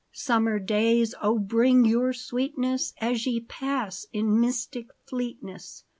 Summer days, oh, bring your sweetness. As ye pass in mystic fleetness.